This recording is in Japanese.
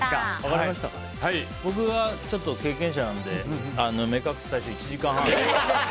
僕は経験者なので目隠し、最初１時間半。